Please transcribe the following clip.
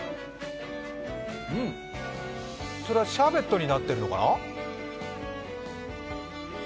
それはシャーベットになってるのかな？